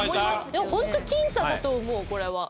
ホント僅差だと思うこれは。